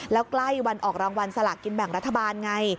แล้วใกล้วันออกรางวัลสลากกินแบ่งรัฐบาลไง